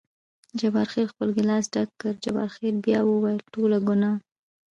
جبار خان خپل ګیلاس ډک کړ، جبار خان بیا وویل: ټوله ګناه.